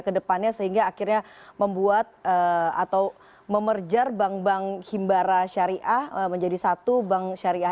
kedepannya sehingga akhirnya membuat atau memerjar bank bank himbara syariah menjadi satu bank syariah